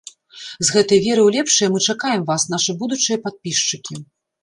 З гэтай верай у лепшае мы чакаем вас, нашы будучыя падпісчыкі!